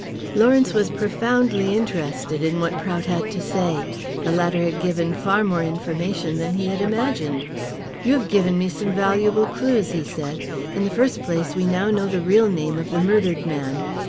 Lawrence was profoundly interested in what Prout had to say. The latter had given far more information than he had imagined. "You have given me some valuable clues," he said. "In the first place we now know the real name of the murdered man.